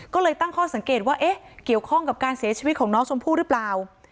ก็เลยตั้งข้อสังเกตว่าเอ๊ะเกี่ยวข้องกับการเสียชีวิตของน้องชมพู่หรือเปล่า